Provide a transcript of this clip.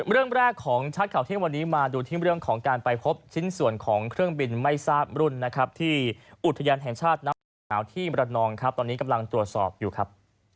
เรื่องแรกของชัดข่าวเที่ยงวันนี้มาดูที่เรื่องของการไปพบชิ้นส่วนของเครื่องบินไม่ทราบรุ่นนะครับที่อุทยานแห่งชาติน้ำป่าหนาวที่มรนองครับตอนนี้กำลังตรวจสอบอยู่ครับ